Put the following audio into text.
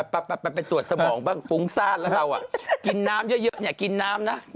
ไปตรวจสมองบ้างฟุ้งซ่านแล้วเราอ่ะ